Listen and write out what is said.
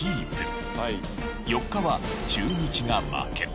４日は中日が負け。